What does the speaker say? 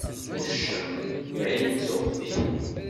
Uccen: Dayen ttuγ-t-in.